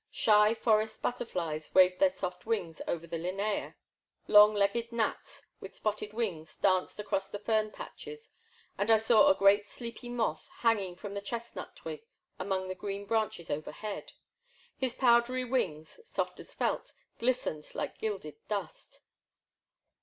Shy forest butterflies waved their soft wings over the Linnea, long legged gnats with spotted wings danced across the fern patches, and I saw a great sleepy moth hanging from a chest nut twig among the green branches overhead. His powdery wings, soft as felt, glistened like gilded dust.